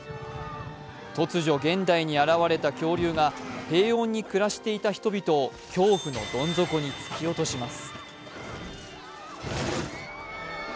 突如現代に現れた恐竜が平穏に暮らしていた人々を恐怖のどん底に突き落とします。